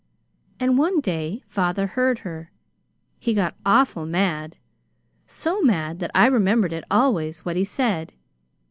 And one day father heard her. He got awful mad so mad that I remembered it always what he said.